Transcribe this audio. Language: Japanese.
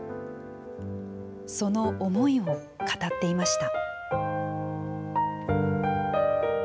その思いを語っていました。